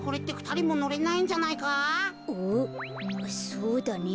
そうだね。